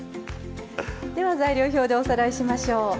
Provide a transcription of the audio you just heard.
材料表でおさらいしましょう。